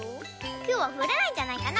きょうはふらないんじゃないかな？